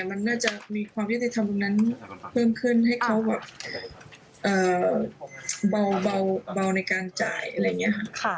มันน่าจะมีความยุติธรรมตรงนั้นเพิ่มขึ้นให้เขาแบบเบาในการจ่ายอะไรอย่างนี้ค่ะ